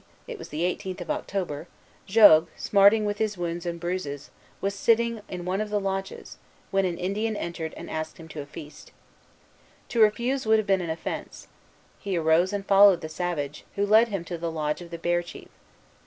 In the evening, it was the eighteenth of October, Jogues, smarting with his wounds and bruises, was sitting in one of the lodges, when an Indian entered, and asked him to a feast. To refuse would have been an offence. He arose and followed the savage, who led him to the lodge of the Bear chief.